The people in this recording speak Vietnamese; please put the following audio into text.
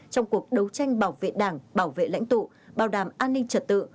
trong cuộc đấu tranh bảo vệ đảng bảo vệ lãnh tụ bảo đảm an ninh trật tự